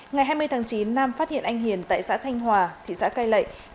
ngày hai mươi tháng chín nam phát hiện anh hiền tại xã thanh hòa thị xã cai lệ